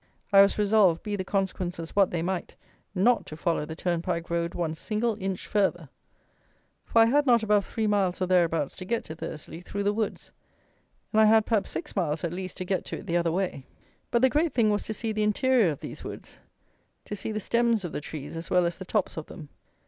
I was resolved, be the consequences what they might, not to follow the Turnpike road one single inch further; for I had not above three miles or thereabouts to get to Thursley, through the woods; and I had, perhaps, six miles at least to get to it the other way; but the great thing was to see the interior of these woods; to see the stems of the trees, as well as the tops of them.